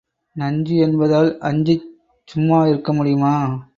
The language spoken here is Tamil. நஞ்சு என்பதால் அஞ்சிச் சும்மா இருக்க முடியுமா?